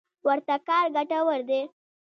ورته کار ګټور دی.